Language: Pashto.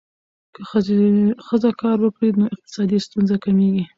که ښځه کار وکړي، نو اقتصادي ستونزې کمېږي.